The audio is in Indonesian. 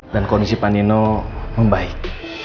dan kondisi pak nino membaik